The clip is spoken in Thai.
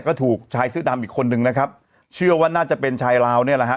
ก็ถูกชายเสื้อดำอีกคนนึงนะครับเชื่อว่าน่าจะเป็นชายลาวเนี่ยแหละฮะ